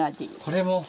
これも。